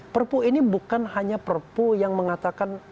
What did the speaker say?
perpu ini bukan hanya perpu yang mengatakan